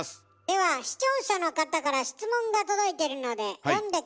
では視聴者の方から質問が届いてるので読んで下さい。